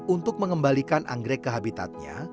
untuk mengembalikan anggrek ke habitatnya